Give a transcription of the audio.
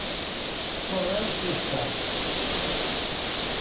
Qual é o seu status?